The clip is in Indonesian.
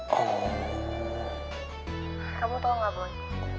kamu tahu enggak boy